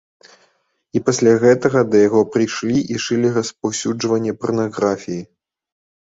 І пасля гэтага да яго прыйшлі і шылі распаўсюджванне парнаграфіі.